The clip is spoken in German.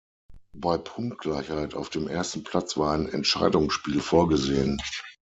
Bei Punktgleichheit auf dem ersten Platz war ein Entscheidungsspiel vorgesehen.